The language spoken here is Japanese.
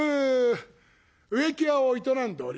植木屋を営んでおります